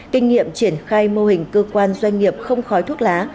kinh nghiệm triển khai mô hình cơ quan doanh nghiệp không khói thuốc lá